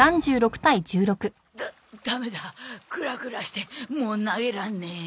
ダダメだクラクラしてもう投げらんねえ。